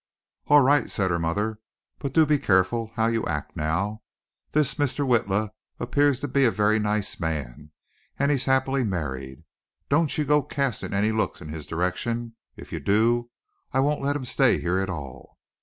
"All right," said her mother, "but do be careful how you act now. This Mr. Witla appears to be a very nice man and he's happily married. Don't you go casting any looks in his direction. If you do I won't let him stay here at all."